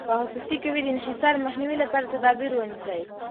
که خصوصي کوي د انحصار مخنیوي لپاره تدابیر ونیسي.